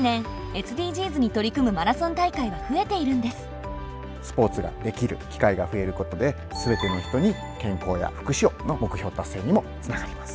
近年スポーツができる機会が増えることで「すべての人に健康や福祉を」の目標達成にもつながります。